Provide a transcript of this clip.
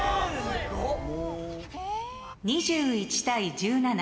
２１対１７。